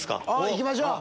行きましょう！